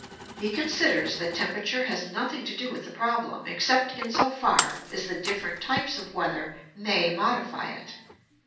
He considers that temperature has nothing to do with the problem, except in so far as the different types of weather may modify it.